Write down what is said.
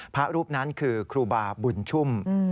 พระรูปนั้นคือครูบาบุญชุ่ม